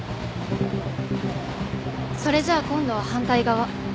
それじゃあ今度は反対側。